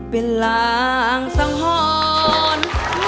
เป็นลางสงหอน